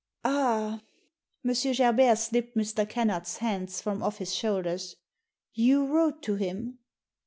*Ah!" M. Gerbert slipped Mr. Kennard's hands from off his shoulders. " You wrote to him